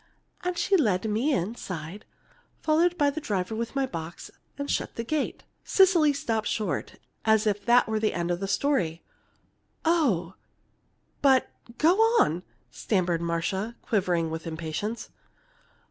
And she led me inside, followed by the driver with my box, and shut the gate." Cecily stopped short, as if that were the end of the story. "Oh, but go on!" stammered Marcia, quivering with impatience.